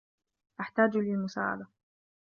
أحتاج للمساعدة.